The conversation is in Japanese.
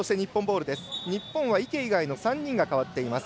日本は池以外の３人が代わっています。